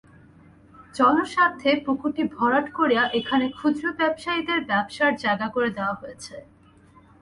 জনস্বার্থে পুকুরটি ভরাট করে এখানে ক্ষুদ্র ব্যবসায়ীদের ব্যবসার জায়গা করে দেওয়া হয়েছে।